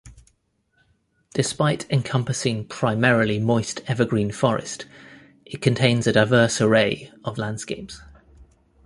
Despite encompassing primarily moist evergreen forest, it contains a diverse array of landscapes.